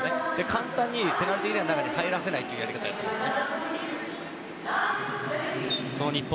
簡単にペナルティーエリアの中に入らせないというやり方ですね。